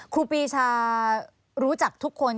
ครูปีชารู้จักทุกคน